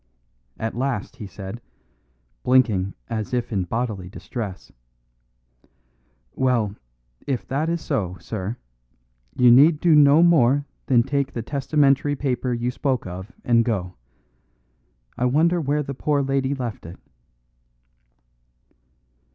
At last he said, blinking as if in bodily distress: "Well, if that is so, sir, you need do no more than take the testamentary paper you spoke of and go. I wonder where the poor lady left it."